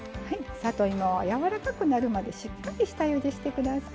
里芋はやわらかくなるまでしっかり下ゆでしてください。